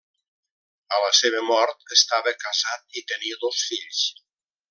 A la seva mort, estava casat i tenia dos fills.